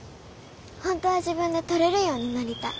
本当は自分で取れるようになりたい。